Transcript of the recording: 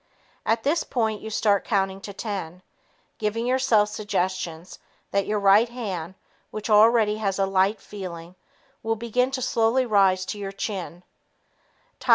At this point you start counting to ten, giving yourself suggestions that your right hand which already has a light feeling will begin to slowly rise to your chin.